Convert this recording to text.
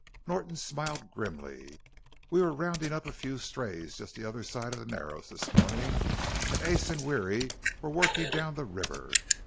Norton smiled grimly. "We were roundin' up a few strays just the other side of the Narrows this morning, and Ace and Weary were workin' down the river.